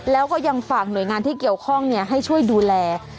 แล้วก็ยังฝากหน่วยงานที่เกี่ยวข้องให้ช่วยดูแล